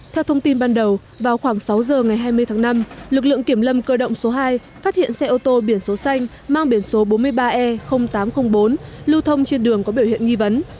theo thông tin ban đầu vào khoảng sáu giờ ngày hai mươi tháng năm lực lượng kiểm lâm cơ động số hai phát hiện xe ô tô biển số xanh mang biển số bốn mươi ba e tám trăm linh bốn lưu thông trên đường có biểu hiện nghi vấn